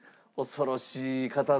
恐ろしい方だ。